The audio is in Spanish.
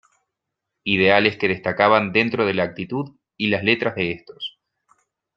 Ideales que destacaban dentro de la actitud y las letras de estos.